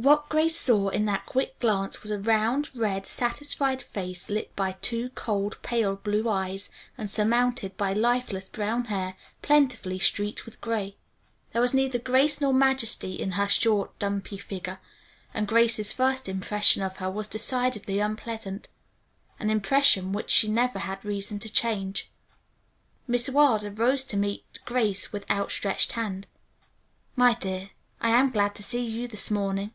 What Grace saw in that quick glance was a round, red, satisfied face lit by two cold pale blue eyes, and surmounted by lifeless brown hair, plentifully streaked with gray. There was neither grace nor majesty in her short, dumpy figure, and Grace's first impression of her was decidedly unpleasant. An impression which she never had reason to change. Miss Wilder rose to meet Grace with outstretched hand. "My dear, I am glad to see you this morning."